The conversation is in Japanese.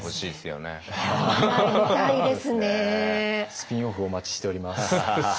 スピンオフお待ちしております。